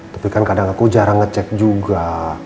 tapi kan kadang aku jarang ngecek juga